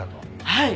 はい。